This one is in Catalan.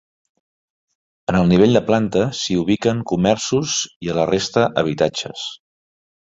En el nivell de planta s'hi ubiquen comerços i a la resta habitatges.